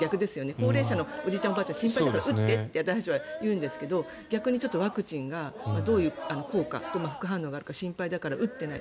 高齢者のおじいちゃん、おばあちゃん打ってって私たちは言うんですけど逆にワクチンがどういう効果副反応があるか心配だから打っていない。